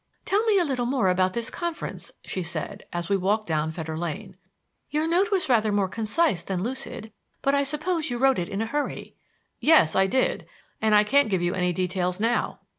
"Tell me a little more about this conference," she said, as we walked down Fetter Lane. "Your note was rather more concise than lucid; but I suppose you wrote it in a hurry." "Yes, I did. And I can't give you any details now.